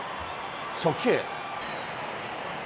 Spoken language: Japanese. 初球。